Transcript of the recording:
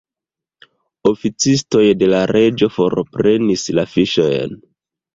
Oficistoj de la reĝo forprenis la fiŝojn.